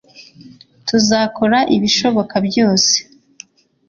tuzakora ibishoboka byose